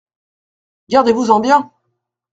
Gardez-vous-en bien !